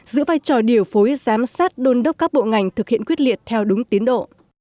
giữ vai trò điều phối giám sát đôn đốc các bộ ngành thực hiện quyết liệt theo đúng tiến độ